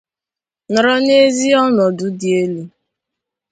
nọrọ n'ezi ọnọdụ dị elu